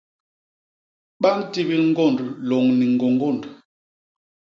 Ba ntibil ñgônd lôñni ñgôñgônd.